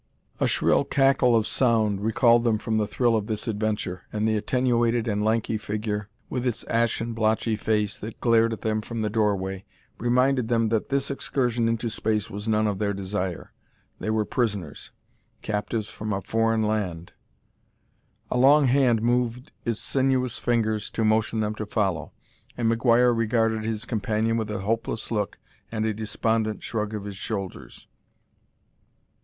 A shrill cackle of sound recalled them from the thrill of this adventure, and the attenuated and lanky figure, with its ashen, blotchy face that glared at them from the doorway, reminded them that this excursion into space was none of their desire. They were prisoners captives from a foreign land. A long hand moved its sinuous fingers to motion them to follow, and McGuire regarded his companion with a hopeless look and a despondent shrug of his shoulders.